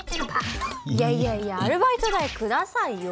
いやいやいやアルバイト代下さいよ。